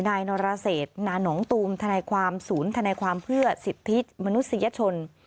นายนรเศษนานองตูมทนายความศูนย์ธนายความเพื่อสิทธิมนุษยชน